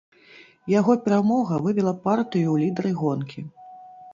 Яго перамога вывела партыю ў лідары гонкі.